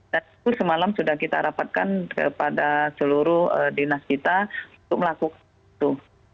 dan itu semalam sudah kita rapatkan kepada seluruh dinas kita untuk melakukan itu